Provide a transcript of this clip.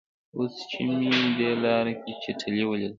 اوس چې مې دې لاره کې چټلي ولیده.